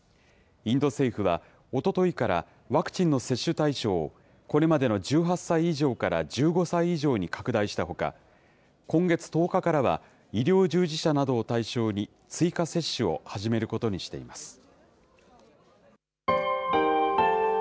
インド政府は、おとといからワクチンの接種対象をこれまでの１８歳以上から１５歳以上に拡大したほか、今月１０日からは医療従事者などを対象に、追加接種を始めることにしています。